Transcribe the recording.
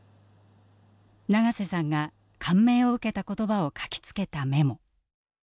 長瀬さんが感銘を受けた言葉を書きつけたメモ。